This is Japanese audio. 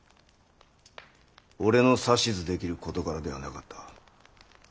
俺の指図できる事柄ではなかった。